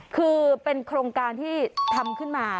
คือเป็นโครงการที่ทำขึ้นมา